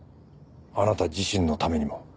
あなた自身のためにも。